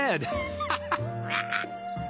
ハハハハ！